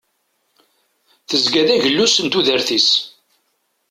Tezga d agellus n tudert-is.